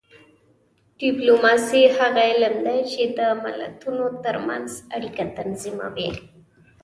ډیپلوماسي هغه علم دی چې د ملتونو ترمنځ اړیکې تنظیموي